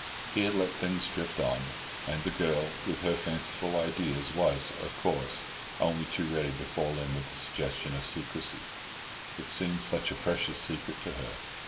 He had let things drift on, and the girl, with her fanciful ideas, was, of course, only too ready to fall in with the suggestion of secrecy; it seemed such a precious secret to her.